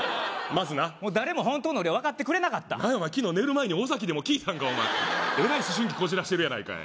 まずなもう誰も本当の俺を分かってくれなかった昨日寝る前に尾崎でも聴いたんかお前えらい思春期こじらせてるやないか